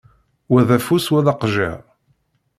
Wa d afus, wa d aqejjiṛ.